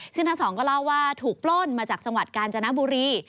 ซึ่งทั้งสองก็เล่าว่าถูกปล้นมาจากจังหวัดกาญจนบุรี